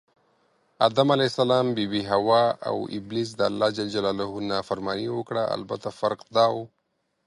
آدم ع، بي بي حوا اوابلیس دالله ج نافرماني وکړه البته فرق دا و